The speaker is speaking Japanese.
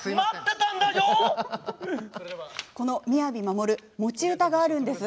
この雅マモル持ち歌があるんです。